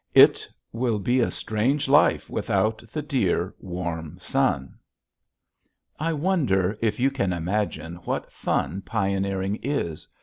It will be a strange life without the dear, warm sun! I wonder if you can imagine what fun pioneering is.